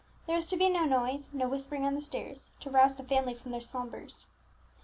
There was to be no noise no whispering on the stairs to rouse the family from their slumbers.